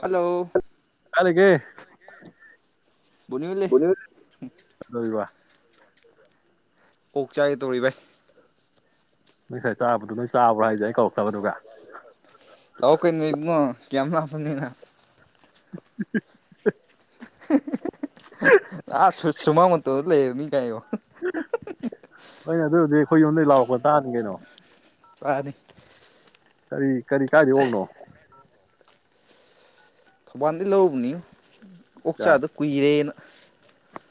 hello ꯆꯥꯔꯤꯒꯦ ꯕꯨꯂꯤ ꯍꯣꯏ ꯂꯩ ꯀꯩꯗꯧꯔꯤꯕ ꯅꯣꯏ ꯑꯣꯛ ꯆꯥꯏꯒ ꯇꯧꯔꯤꯕꯚ ꯅꯣꯏ ꯉꯁꯥꯏ ꯆꯥꯕꯗꯨꯣ ꯅꯣꯏ ꯆꯥꯕ꯭ꯔꯥ ꯍꯥꯏꯁꯦ ꯑꯩ ꯀꯧꯔꯛꯇꯕꯗꯨꯒ ꯂꯣꯛ ꯀꯕꯣ ꯀꯦꯃꯦꯂ ꯐꯝꯅ [unintelligible] ꯑꯁ ꯁꯨꯃꯥꯡ ꯃꯇꯣ ꯂꯩꯔꯃꯤ [unintelligible] ꯍꯅꯦ ꯑꯗꯨꯔꯗꯤ ꯑꯩꯈꯣꯏ ꯌꯨꯝꯗꯒꯤꯩ ꯂꯥꯎꯔꯛꯄ ꯇꯥꯅꯤ ꯀꯩꯅꯣ ꯇꯅꯤ ꯐꯔꯤ ꯀꯔꯤ ꯀꯥꯏꯔꯤꯑꯣꯅꯣ ꯊꯧꯕꯥꯜꯗꯤ ꯂꯧꯕꯅꯤ ꯑꯣꯛ ꯀꯌꯥ ꯆꯆꯥꯗ ꯀꯨꯏꯔꯦꯅ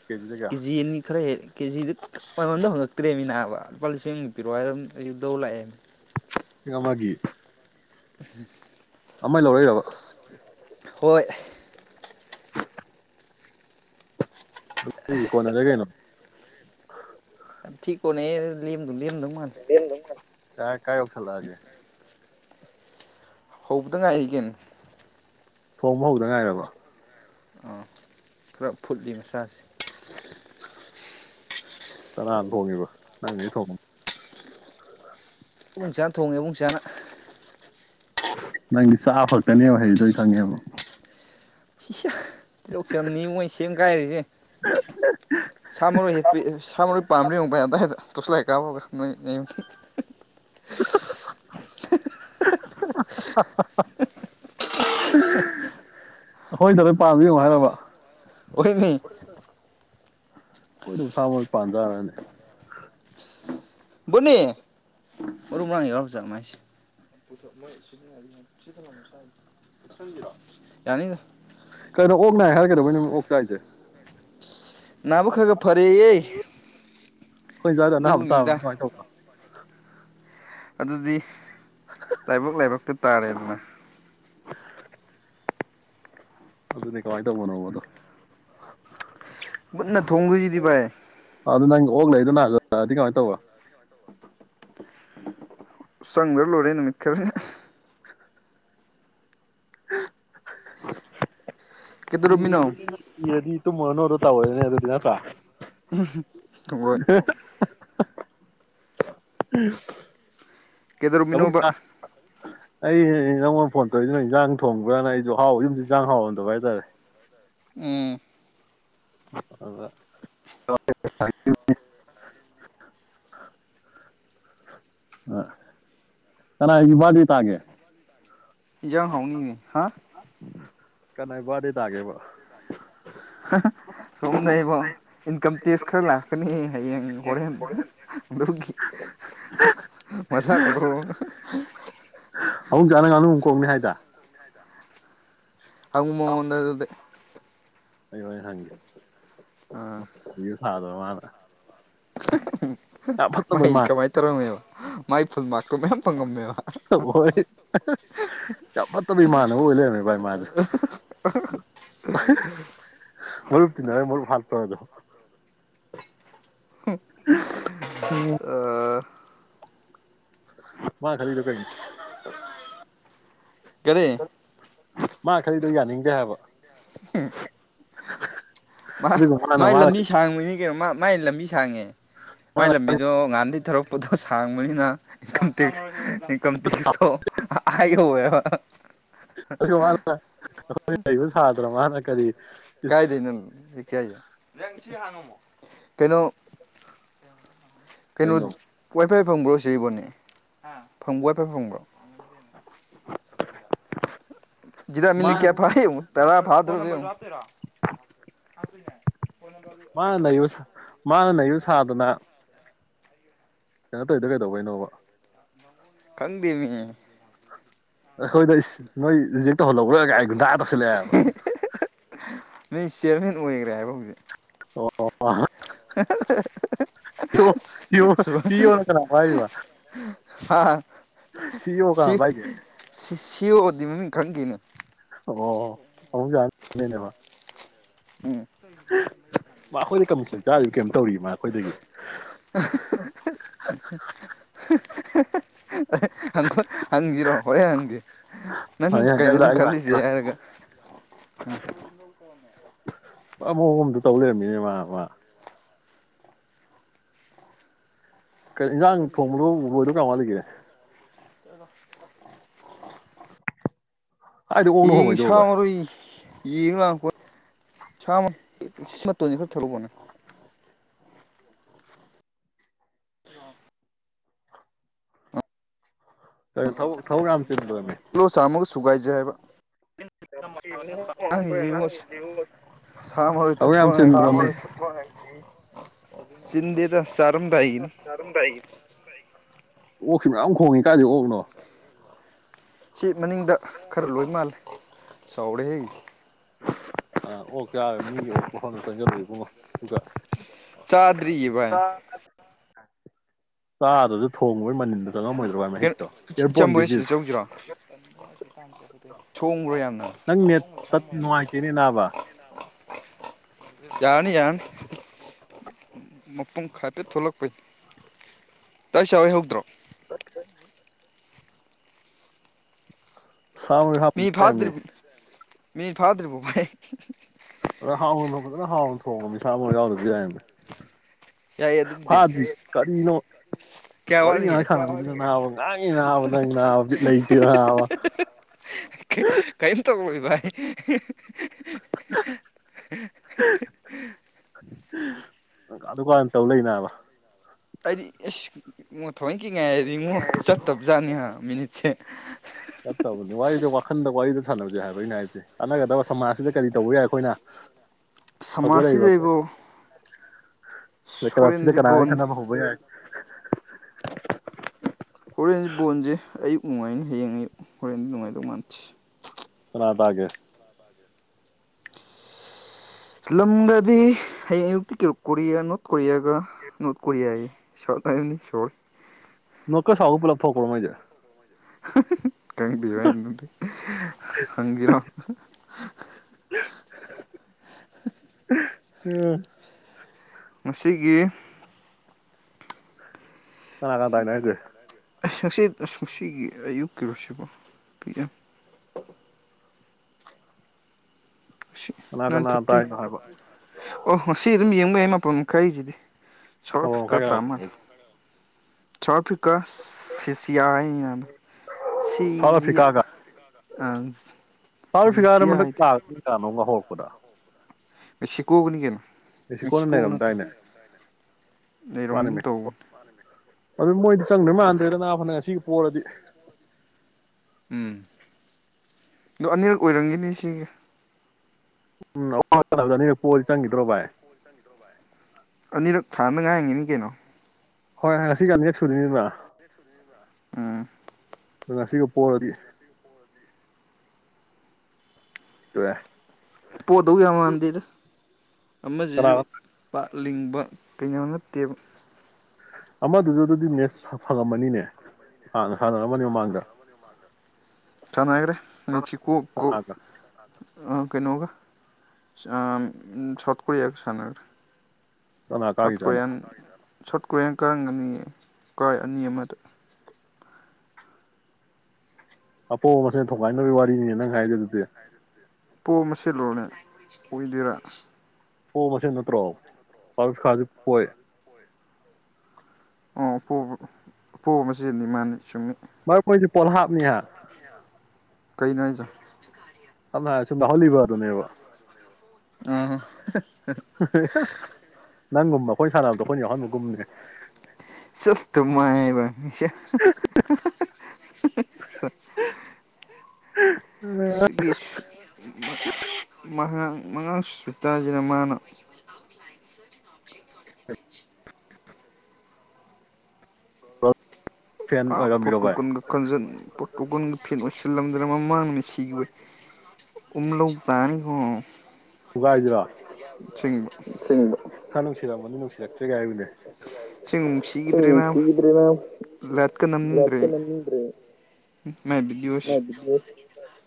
ꯀꯦꯖꯤꯗ ꯀꯌꯥ ꯀꯦꯖꯤ ꯑꯅꯤ ꯈꯔ ꯍꯦꯛ ꯀꯦꯖꯤꯗ ꯃꯃꯜꯗꯣ ꯗ ꯍꯪꯉꯛꯇ꯭ꯔꯦꯃꯤꯅꯥꯕ ꯂꯨꯄꯥ ꯂꯤꯁꯤꯡꯃꯨꯛ ꯄꯤꯔꯣ ꯍꯥꯏꯔ ꯑꯩꯁꯨꯗꯧ ꯂꯥꯛꯑꯦ ꯃꯥꯒꯤ [unintelligible] ꯑꯃ ꯂꯧꯔꯛꯏꯔꯕ ꯍꯣꯏ ꯀꯣꯅꯔꯦ ꯒꯩꯅꯣ [unintelligible] ꯌꯝꯊꯤ ꯀꯣꯟꯅꯩꯍꯦ [unintelligible] ꯂꯦꯝ ꯂꯦꯝꯗꯧꯃꯥꯜꯂꯦ ꯀꯥꯏ ꯀꯥꯏ ꯌꯧꯁꯜꯂꯑꯒꯦ ꯍꯧꯕꯗ ꯉꯥꯏꯔꯤ ꯒꯦꯅꯣ ꯊꯣꯡꯕ ꯍꯧꯗ ꯉꯥꯏꯔꯕ ꯈꯔ ꯐꯨꯠꯂꯤ ꯃꯁꯥꯁꯦ ꯀꯅꯥꯅ ꯊꯣꯡꯉꯤꯕ ꯅꯪꯗꯤ ꯊꯣꯡꯉ ꯏꯕꯨꯡꯁꯥꯅ ꯊꯣꯡꯉꯦ ꯏꯕꯨꯡꯁꯥꯅ ꯅꯪꯗꯤ ꯆꯥꯕ ꯈꯛꯇꯅꯦꯕ ꯍꯥꯏꯗ ꯑꯩ ꯈꯪꯉꯦꯕ ꯇꯤꯜꯂꯣꯛ ꯆꯝꯅꯤ ꯃꯣꯏ ꯁꯦꯝꯒꯥꯏꯔꯤꯁꯦ ꯁꯥ ꯃꯔꯣꯏ ꯍꯦꯛ ꯁꯥ ꯃꯔꯣꯏ ꯄꯥꯝꯕ꯭ꯔꯥ ꯌꯦꯡꯉꯛꯕ ꯑꯇ ꯍꯦꯛꯇ ꯇꯁ ꯂꯩꯥꯛ ꯀꯥꯕꯒ ꯑꯩꯈꯣꯏꯗ ꯂꯣꯏ ꯄꯥꯝꯃꯤ ꯌꯦꯡꯉꯣ ꯍꯥꯏꯔꯕ ꯑꯣꯏꯅꯤ ꯑꯩꯗꯕꯨꯁꯥ ꯄꯥꯟꯗꯥꯔꯅꯦ ꯕꯨꯅꯤ ꯃꯔꯨ ꯃꯔꯥꯡ ꯌꯥꯎꯔꯤ ꯖꯥꯠꯂꯣ ꯃꯥꯏꯁꯦ ꯃꯣꯏ ꯁꯤꯖꯤꯟꯅꯔꯤ ꯃꯥꯜꯂꯦ ꯁꯤ [unintelligible] ꯌꯥꯅꯤꯗ ꯀꯩꯅꯣ ꯑꯣꯛ ꯅꯥ ꯍꯥꯏꯔꯒꯩꯗꯧꯕꯩꯅꯤ ꯅꯨꯃꯤ ꯑꯣꯛ ꯆ ꯍꯥꯏꯁꯦ ꯅꯕꯛ ꯀꯒ ꯑꯩꯈꯣꯏ ꯏꯟꯖꯥꯛꯗ ꯑꯅꯥꯕ ꯑꯗꯨꯅꯤꯗ ꯇꯥꯕꯗꯤ ꯀꯃꯥꯏꯅ ꯇꯧꯕꯅꯣ ꯑꯗꯨꯗꯤ ꯂꯥꯏꯕꯛ ꯂꯥꯏꯕꯛꯛꯇ ꯇꯥꯔꯦꯅ ꯑꯗꯨ ꯅ ꯀ ꯐꯥꯏꯗ ꯃꯅꯕꯗ ꯃꯨꯠꯟꯅ ꯊꯣꯡꯗꯣꯏꯁꯤꯗꯤ ꯚꯥꯏ ꯑꯗꯨ ꯅꯪ ꯑꯣꯛ ꯂꯩꯗꯅꯖꯑꯗꯤ ꯀꯃꯥꯏꯅ ꯇꯧꯕꯧꯕ ꯁꯪꯗꯔ ꯂꯣꯏꯔꯦ ꯅꯨꯃꯤꯠ ꯈꯔꯅꯦ ꯀꯩꯗꯧꯔꯝꯃꯤꯅꯣ ꯁꯤꯗꯤ ꯇ ꯃꯅ ꯑꯣꯏꯔ ꯇꯕ ꯑꯣꯏ ꯑꯗꯨꯗꯤꯅ꯭ꯔ ꯒꯣꯏ ꯑ ꯎꯝ ꯀꯩꯗꯧꯔꯝꯃꯤꯅꯣꯕ ꯑꯩ ꯑꯩ ꯅꯪꯉꯣꯟꯗ ꯐꯣꯟ ꯇꯧꯔꯏꯁꯤꯅ ꯏꯟꯖꯥꯡ ꯊꯣꯡꯕ꯭ꯔꯥꯅ ꯑꯩꯁꯨ ꯍꯥꯎ ꯌꯨꯝꯁꯨ ꯆ ꯏꯟ ꯆꯥꯡ ꯍꯥꯎꯔꯝꯗꯕ ꯍꯥꯏꯇꯥꯔꯦ ꯎꯝ ꯑ ꯆꯅꯥ ꯗ ꯇꯑꯒꯦ ꯌꯥ ꯍꯥꯎꯅꯤꯅꯦ ꯍꯥ ꯀꯅꯥꯏ ꯋꯥꯗꯤ ꯇꯥꯒꯦꯕ ꯍꯣꯡꯅꯕꯣ ꯏꯟꯀꯝ ꯇꯦꯛꯁ ꯈꯔ ꯂꯥꯛꯀꯅꯤ ꯍꯌꯦꯡ ꯍꯣꯔꯦꯟ ꯑꯗꯨꯒꯤ ꯃꯖꯥꯀꯣ ꯑꯃꯨꯛ ꯆꯥꯅ ꯉꯥꯅꯨ ꯑꯃꯨꯛ ꯈꯣꯡꯅꯤ ꯍꯥꯏꯗ ꯑꯗꯨꯕ ꯋꯥꯗꯗ ꯑꯩ ꯋꯥ ꯍꯪꯒꯦꯁꯨ ꯁꯥꯗꯕ ꯃꯥꯅ ꯌꯥꯝ ꯐꯠꯇꯕꯩ ꯃꯥꯏ ꯃꯥꯟ ꯀꯃꯥꯏ ꯇꯔꯕ ꯃꯥꯏ ꯐꯨꯜ ꯃꯥꯔꯛꯇꯣ ꯃꯌꯥꯝ ꯐꯪꯉꯝꯃꯦꯕ ꯍꯣꯏ ꯌꯥꯝ ꯐꯠꯇꯕ ꯏꯃꯥꯟꯅꯕ ꯑꯣꯏ ꯂꯩꯔꯝꯃꯦ ꯚꯥꯏ [inaudible] ꯃ ꯇꯅꯔꯦ ꯃ ꯐꯜ ꯇꯗ ꯃꯥ ꯈꯔꯤꯗꯦ ꯀꯥꯏ ꯀꯔꯤ ꯃꯥ ꯈꯔꯤꯗꯣ ꯌꯥꯅꯤꯡꯗꯦ ꯍꯥꯏꯕ ꯃꯥ ꯑꯗꯨꯒ ꯃꯥꯅ ꯃꯥꯏ ꯃꯥꯅ ꯂꯝꯕꯤ ꯁꯥꯡꯕꯅꯤ ꯀꯩꯅꯣ ꯃꯥ ꯃꯥꯏ ꯂꯝꯕꯤ ꯁꯥꯡꯉꯦ ꯃꯥꯏ ꯃꯥꯅ ꯂꯝꯕꯤꯗ ꯉꯥꯟꯙꯤ ꯊꯧꯔꯛꯄꯗꯣ ꯁꯥꯡꯕꯅꯤꯅ ꯏꯟꯀꯝ ꯇꯦꯛꯁ ꯏꯀꯝ ꯊ ꯁꯣ ꯍꯥꯏ ꯍ ꯑꯗꯨ ꯃꯥꯅ ꯑꯩꯈꯣꯏ ꯂꯩꯁꯨ ꯁꯥꯗ꯭ꯔ ꯃꯥꯅ ꯀꯔꯤ ꯏꯁ ꯀꯥꯏꯗꯅ ꯀꯌꯥ ꯀꯩꯅꯩꯅꯣ ꯀꯩꯅꯩꯅꯣ ꯀꯩꯅꯣ ꯍꯥꯏꯐꯦ ꯐꯪꯕ꯭ꯔꯣ ꯁꯤꯔꯤꯕꯣꯅꯤ ꯐꯪꯕꯣ ꯍꯥꯏꯏꯐꯦ ꯐꯪꯕ꯭ꯔꯣ ꯗꯃꯤꯅ ꯃꯥ ꯀꯌꯥ ꯐꯌꯦ ꯇꯔꯥ ꯐꯥꯗ꯭ꯔ ꯄꯨ ꯑ ꯃꯥꯅ ꯅꯌꯨ ꯃꯥꯅ ꯅꯌꯨ ꯁꯥꯗꯅ ꯀꯩꯅ ꯇꯧꯗ ꯀꯩꯗꯧꯕꯩꯅꯣꯕ ꯈꯪꯗꯦꯃꯤ ꯑꯩꯈꯣꯏꯗ ꯅꯣꯏ ꯔꯤꯖꯦꯛ ꯇꯧꯍꯜꯍꯧꯧꯕ꯭ꯔꯒ ꯑꯩ ꯨꯟꯇ ꯇꯧꯁꯤꯜꯂꯛꯑꯦꯕ ꯅꯣꯏ ꯆꯤꯌꯔꯃꯦꯟ ꯑꯣꯏꯈ꯭ꯔꯦ ꯍꯥꯏꯕ ꯍꯧꯖꯤꯛ ꯑꯣ ꯑ ꯁꯤꯅ ꯀꯅꯥ ꯍꯥ ꯁꯤꯣ ꯀ ꯄꯥꯏꯒꯦ ꯗꯤ ꯃꯃꯤ ꯈꯪꯒꯤꯅꯦ ꯑꯣ ꯑꯍꯨꯝ ꯌꯥꯅꯦꯕ ꯎꯝ ꯃꯥ ꯑꯩꯈꯣꯏꯗ ꯀꯃ ꯁ ꯆꯥꯔꯤꯕ ꯀꯩꯝ ꯇꯧꯔꯤ ꯃꯥ ꯑꯩꯈꯣꯏꯗꯒꯤ ꯪꯣꯏ ꯍꯪꯁꯤꯔꯣ ꯍꯣꯔꯦꯟ ꯍꯪꯒꯦ ꯅꯪ ꯍꯪꯉꯦ ꯍꯪꯉꯦ ꯀꯩꯅꯣ ꯑꯩ ꯂꯥꯛꯑꯦ ꯑꯩ ꯂꯥꯛꯑꯦ ꯈꯜꯂꯤꯁꯦ ꯍꯥꯏꯔꯒ ꯎꯝ ꯑꯃꯣ ꯑꯃꯝꯇ ꯇꯧ ꯂꯩꯔꯝꯃꯤꯅꯦ ꯃꯥ ꯃꯥ ꯀ ꯏꯟꯖꯥꯡ ꯊꯣꯡꯕꯗꯣ ꯎꯕꯣꯏꯗꯣ ꯀꯔꯏꯃꯂꯤꯒꯦ ꯍꯥꯏꯗꯤ ꯑꯣꯛꯅ ꯌꯦꯡ ꯍꯣꯡꯉꯩꯗꯣꯕ ꯁꯥ ꯃꯔꯣꯏ ꯌꯦꯡ ꯂꯥꯡꯉꯛꯄ ꯁꯥꯃ ꯁꯤ ꯃꯇꯣꯟꯁꯤ ꯈꯔ ꯊꯂꯛꯄꯅꯦ ꯀꯩꯅ ꯊꯧ ꯊꯧ ꯌꯥꯝꯝ ꯆ ꯄꯂꯣ ꯆꯥꯃꯨꯒ ꯁꯨꯒꯥꯏꯖꯩ ꯍꯥꯏꯕ [unintelligible] ꯑꯩꯒꯤꯁꯤ ꯁꯥ ꯃꯔꯣꯏ ꯊꯕꯛ ꯊꯠꯄ ꯌꯥꯝ ꯉꯩꯇꯗꯤ ꯆꯤꯟꯕ꯭ꯔꯃꯤ ꯁꯤꯁꯤꯡꯗꯤꯤꯗ ꯀꯔꯝ ꯇꯏ ꯑꯣꯛꯁꯤ ꯃꯌꯥꯝ ꯈꯣꯡꯉꯤ ꯀꯥꯏꯥꯁꯦ ꯑꯣꯛꯅꯣ ꯁꯤ ꯃꯅꯤꯡꯗ ꯈꯔ ꯂꯣꯏ ꯃꯥꯜꯂꯦ ꯇꯧꯔꯦ ꯍ ꯑꯥ ꯑꯣ ꯀꯦꯔꯦ ꯃꯤꯒꯤ ꯃꯣꯟꯗ ꯆꯪꯖꯕ ꯏ ꯄꯨꯡꯉꯣ ꯆꯥꯗ꯭ꯔꯤꯌꯦꯚ ꯆꯥꯗꯁꯨ ꯊꯣꯡꯉꯕꯣꯏ ꯃꯅꯤꯟꯗꯨꯁꯨ ꯆꯪꯉꯝꯃꯣꯏꯗ꯭ꯔꯕꯥ ꯀꯩꯅꯣ ꯃꯍꯤꯛꯇꯣ ꯏꯔꯄꯣꯟ ꯏꯆꯝꯕ ꯍꯣꯏ ꯗꯤꯖꯤꯖ ꯊꯣꯡꯈ꯭ꯔꯦ ꯌꯥꯝ ꯅꯪꯅꯦꯞꯅꯣ ꯏꯅꯤ ꯅꯥꯕ ꯌꯥꯔꯅꯤ ꯌꯥꯔꯅꯤ ꯃꯄꯨꯡ ꯈꯥꯇꯦ ꯊꯣꯛꯂꯛꯄꯩ ꯇ ꯁꯏ ꯍꯧꯗ꯭ꯔꯣ ꯍ ꯁꯃꯅ ꯍꯥꯞꯄꯗꯃꯤ ꯃꯤꯅꯤ ꯐꯥꯎꯗ꯭ꯔꯔꯤꯔꯤꯕꯣꯄꯥꯏ ꯑꯗ ꯍꯥꯎꯅ ꯐꯖꯅ ꯍꯥꯎꯅ ꯊꯣꯡꯕ ꯅꯤꯁꯥ ꯃ ꯌꯥꯎꯗꯕꯗꯤ ꯌꯥꯏꯅꯦ ꯌꯥꯏꯌꯦ ꯑꯗꯨꯕꯨꯗꯤ ꯐꯥꯗ꯭ꯔꯤ ꯀꯔꯤꯅꯣ ꯀꯌꯥ ꯋꯥꯔꯤ ꯋꯥꯠꯂꯤꯒꯦ ꯉꯥꯏꯍꯥꯛ ꯈꯥꯗ ꯅꯥꯕ ꯉꯥꯡꯉꯤ ꯅꯥꯕ ꯅꯪ ꯅꯥꯕ ꯂꯩꯇꯦ ꯅꯥꯕ ꯀꯩ ꯇꯧ ꯕꯥꯏ [unintelligible] ꯑꯗꯨꯀꯥꯟ ꯇꯧ ꯂꯩꯅꯦꯕ ꯑꯗꯤ ꯊꯑꯣꯏ ꯀꯤ ꯉꯥꯏ ꯏꯉꯣ ꯆꯠꯇꯕꯖꯥꯠꯅꯤ ꯃꯤꯅꯤꯠꯁꯦ ꯆꯠꯇꯕꯅꯤ ꯋꯥꯔꯤꯁꯦ ꯋꯥꯈꯟꯗ ꯋꯥꯔꯤꯗ ꯁꯥꯟꯅꯕꯁꯦ ꯍꯥꯏꯕ ꯑꯩꯅ ꯍꯥꯏꯁꯦ ꯀꯥꯟꯅꯒꯗꯕ ꯁꯃꯥꯖꯁꯤꯗ ꯀꯔꯤ ꯇꯧꯕ ꯌꯥꯏ ꯑꯩꯈꯣꯏꯅ ꯍꯧꯒꯠꯂꯛꯏꯕ ꯁꯃꯥꯖꯁꯤꯗꯕꯣ ꯀꯂꯞꯁꯤꯗ ꯀꯥ ꯈꯥꯟꯅꯕ ꯐꯕ ꯍꯣꯔꯦꯟꯁ ꯕꯣꯟꯁꯦ ꯑꯩ ꯅꯨꯡꯉꯥꯏꯅ ꯍꯌꯦꯡꯉꯩ ꯍꯣꯔꯦꯟꯅ ꯅꯨꯡꯉꯥꯏꯗꯣ ꯃꯥꯟꯁꯤ ꯀꯅꯥꯗꯒꯦ ꯂꯝꯒꯗꯤ ꯍꯌꯦꯡ ꯑꯌꯨꯛꯛꯇꯤ ꯀꯣꯔꯤꯌꯥ ꯅꯣꯔꯠ ꯀꯣꯔꯤꯌꯥꯒ ꯅꯣꯔꯠ ꯀꯣꯔꯤꯌꯥꯒꯤ ꯁꯥꯎꯠ ꯍꯥꯏꯅꯤ ꯁꯣꯔ ꯅꯀ ꯁꯥꯎ ꯄꯤꯂ ꯐꯣꯀ ꯃꯣꯏꯖꯦ [unintelligible] ꯀꯪꯤ ꯋꯥꯗꯤ ꯀꯪꯤꯔꯥꯎ ꯎꯝ ꯃꯁꯤꯒꯤ ꯅ ꯀꯥꯟ ꯇꯥꯏꯅꯦ ꯍꯥꯏꯦ ꯑꯩ ꯉꯁꯤ ꯨꯡꯁꯤꯒꯤ ꯑꯌꯨꯛꯀꯤꯔꯣꯁꯤꯕꯣ ꯄꯤꯒ ꯉꯁꯤ ꯀꯅꯥ ꯅꯥꯏꯟ ꯀꯅꯥ ꯊꯥꯔꯇꯤ ꯇꯥꯏꯅꯣ ꯍꯥꯏꯕ ꯑꯣꯍꯣ ꯁꯤ ꯑꯗꯨꯝ ꯌꯦꯡꯕ ꯌꯥꯏ ꯃꯥꯄꯜ ꯀꯩꯁꯤꯗꯤ ꯆꯣꯔ ꯑꯃ ꯐꯤꯀꯥꯔ ꯃꯈꯥꯏꯒ ꯇꯥ ꯑꯃꯜ ꯆ ꯐꯤ ꯀꯁ ꯁꯤꯁꯤꯌꯥꯅ ꯁꯥꯎꯠ ꯑꯐ꯭ꯔꯤꯀꯥꯒ ꯁꯤꯖꯤꯌꯥꯖꯤꯁꯤꯌꯥꯗꯤ ꯀꯗꯥ ꯛꯣꯒꯅꯤ ꯀꯣ ꯃꯦꯁꯤꯀꯣꯟꯜꯅ ꯂꯩꯔꯝꯗꯥꯏꯅꯦ ꯃꯥꯅꯤ ꯂꯩꯔꯝꯒꯨꯝ ꯃꯦꯁꯤꯀꯣ ꯇꯧꯕꯅꯦ ꯑꯗꯨ ꯃꯣꯏꯗꯤ ꯆꯪꯗꯣꯏ ꯃꯥꯟꯗ꯭ꯔꯦꯗ ꯅꯅꯥ ꯐꯅ ꯉꯁꯤ ꯄꯔꯗꯤ ꯎꯝ ꯑꯣ ꯑꯅꯤꯔꯛ ꯑꯣꯏꯔꯝꯒꯅꯤ ꯁꯤꯒꯤ ꯎꯝ ꯑꯋꯥ ꯑꯅꯤꯔꯛ ꯄꯣꯛꯑꯗꯤ ꯆꯪꯈꯤꯗ꯭ꯔꯣ ꯚꯥꯏ ꯑꯅꯤꯔꯛ ꯊꯥꯗ ꯉꯥꯏꯔꯉꯤꯅꯤ ꯀꯩꯅꯣ ꯍꯣꯏꯣꯏ ꯉꯁꯤꯒꯥꯟ ꯍꯦꯛ ꯁꯨꯔꯤꯅꯤꯗꯅ ꯎꯝ ꯉꯁꯤꯒ ꯄꯔꯗꯤ ꯏ ꯇ ꯄꯣꯗꯣꯒ ꯔꯃꯥꯟꯗꯗ ꯑꯃꯗꯤꯁꯨꯁꯨ ꯀꯅꯥ ꯄ ꯂꯤꯡꯕ ꯀꯩꯅꯣ ꯅꯠꯇꯦꯕ ꯑꯃꯗꯨꯁꯨ ꯑꯗꯨꯗꯤ ꯃꯦꯠꯁ ꯐꯪꯉꯝꯃꯅꯤꯅꯦ ꯍꯥꯟꯅ ꯁꯥꯟꯅꯔꯝ ꯑꯃꯅꯤꯅꯤ ꯃꯃꯥꯡꯗ ꯆꯅꯥꯒ꯭ꯔꯦ ꯃꯦꯆꯤ ꯀ ꯀ ꯀꯅꯥꯒ ꯀꯩꯅꯒ ꯁꯠ ꯀꯔꯤ ꯌꯥꯒ ꯁꯅꯒꯔ ꯀꯅꯥ ꯀꯥꯒꯤ ꯆꯅ ꯁꯣꯔꯠ ꯀ꯭ꯔꯥꯏꯅ ꯀꯔꯝꯒꯅꯤ ꯀ꯭ꯔꯥꯏ ꯑꯅꯤ ꯑꯃꯗ ꯑꯄꯣ ꯃꯁꯦꯟ ꯊꯨꯒꯥꯏꯅꯕꯒꯤ ꯋꯥꯔꯤꯅꯤꯅꯦ ꯅꯪ ꯍꯥꯏꯗꯦ ꯑꯗꯨꯗꯤ ꯄꯣꯝꯃ ꯁꯤꯦꯠꯂꯨꯔꯅꯦ ꯑꯣꯏꯏꯗꯣꯏꯔꯥ ꯄꯣꯛ ꯃꯁ ꯅꯠꯇ꯭ꯔꯣ ꯄꯥꯔꯨ ꯈꯥꯁꯨ ꯄ ꯑꯣ ꯄꯣ ꯃꯆꯅꯤ ꯃꯥꯅꯤ ꯆꯨꯝꯃꯤ ꯃꯔꯝ ꯃꯣꯏꯁꯨ ꯄꯣꯠ ꯍꯥꯞꯅꯤ ꯍꯥꯏ ꯀꯩꯅꯅꯖ ꯁꯝ ꯍꯥꯏ ꯁꯨꯝꯗ ꯍꯣꯂꯤꯕ ꯑꯗꯨꯅꯦꯕ ꯑ [inaudible] ꯅꯪꯒꯨꯝꯕ ꯑꯩꯈꯣꯏ ꯁꯥꯟꯅꯕꯗꯣ ꯑꯩꯈꯣꯏꯅ ꯌꯥꯎꯍꯟꯕꯒꯨꯝꯅꯦ ꯁ ꯇꯃꯥꯏꯕ ꯅꯤꯁꯥ ꯑ ꯁꯤꯒꯤꯉꯥꯡ ꯃꯉꯥꯡ ꯁꯨꯇꯥ ꯑꯗꯨꯅ ꯃꯥꯅ ꯍ ꯍꯁ ꯑ ꯐꯣꯇꯣꯒꯟꯒꯈꯖ ꯐꯣꯇꯣꯒ ꯐꯣ ꯁꯤ ꯆꯜꯂꯝꯗꯔ ꯃꯃꯥꯡꯅꯅꯤ ꯁꯤ ꯑꯣꯏ ꯎꯝꯂꯨꯣꯡ ꯄꯅꯤꯈ ꯨꯒꯥꯏꯁꯤꯔꯥ ꯆꯤꯡꯕ ꯍꯥ ꯅꯨꯡꯁꯤꯔꯛꯕꯅꯤ ꯅꯨꯡꯁꯤꯔꯛꯇ꯭ꯔꯦꯥꯏ ꯍꯥꯏꯕꯅꯦ ꯁꯦꯡꯅꯨꯡ ꯅꯨꯡꯁꯤꯈꯤꯗ꯭ꯔꯦꯅ ꯂꯠꯀ ꯅꯝꯅꯤꯡꯗ꯭ꯔꯦ ꯃꯥꯏ ꯕꯤ ꯗ꯭ꯣꯁ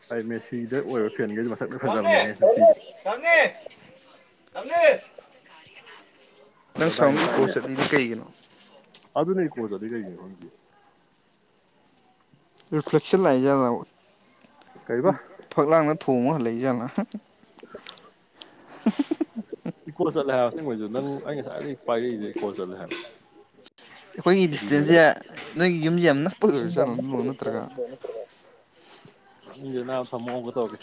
ꯄ꯭ꯔꯥꯏꯃꯦꯁꯤꯗ ꯑꯣꯏꯔ ꯐ꯭ꯔꯦꯟꯒꯤꯁꯨ ꯃꯁꯛ ꯐꯖꯕꯅꯦ ꯊꯉꯦ ꯅꯪ ꯁꯝꯃ ꯐꯖꯗꯥꯏꯅꯦ ꯄꯣꯁ ꯀꯩꯒꯅꯣ ꯑꯗꯨꯅ ꯀꯣ ꯆꯂꯤꯒꯩ ꯍꯒꯤ ꯔꯤꯐ꯭ꯂꯦꯛꯁꯟ ꯂꯩꯥꯏꯖꯅꯕ ꯀꯩꯕ ꯐꯛ ꯂꯥꯡꯅ ꯊꯣꯡꯉ ꯍꯜꯂꯛꯏꯖꯠꯅ ꯍꯝ ꯏꯀꯣ ꯆꯠꯂꯦ ꯍꯥꯏꯔꯁꯅꯦ ꯃꯣꯏꯁꯨ ꯅꯪ ꯑꯩꯩꯅ ꯉꯁꯥꯏꯗꯒꯤ ꯄꯥꯏꯔꯛꯏꯁꯦ ꯏꯀꯣ ꯆꯠꯂꯦ ꯍꯥꯏꯅꯣ ꯑꯩꯈꯣꯏꯒꯤ ꯗꯤꯁꯇꯦꯟꯁꯁꯦ ꯅꯣꯏꯒꯤ ꯌꯨꯝ ꯌꯥꯝꯅ ꯟꯅ ꯄꯔꯒ ꯁꯥꯦꯟꯅ ꯄꯒ ꯊꯝꯃꯣꯒ ꯇꯧꯒꯦ